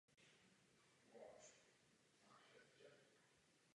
Žádám proto sněmovnu, aby tento návrh podpořila.